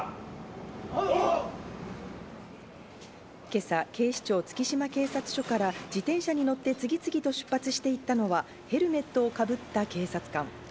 今朝、警視庁・月島警察署から自転車に乗って次々と出発していったのはヘルメットをかぶった警察官。